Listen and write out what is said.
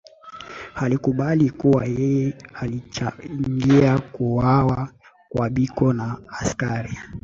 Alikubali kuwa yeye alichangia kuuawa kwa Biko na askari